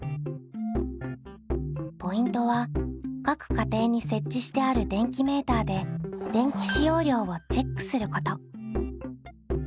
ポイントは各家庭に設置してある電気メーターで電気使用量をチェックすること。